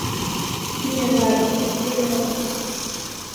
Ni är värd ett bättre öde.